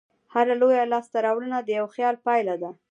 هره لویه لاستهراوړنه د یوه خیال پایله ده.